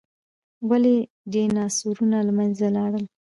ولې ډیناسورونه له منځه لاړل؟